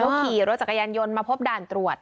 เขาขี่รถจักรยานยนต์มาพบด่านตรวจ